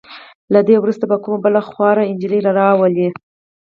له دې وروسته به کومه بله خواره نجلې راولئ.